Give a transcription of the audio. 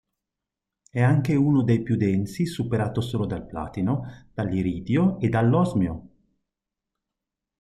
È anche uno dei più densi, superato solo dal platino, dall'iridio e dall'osmio.